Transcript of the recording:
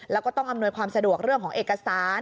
แล้วก็ต้องอำนวยความสะดวกเรื่องของเอกสาร